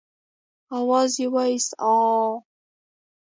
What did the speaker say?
آواز يې واېست عاعاعا.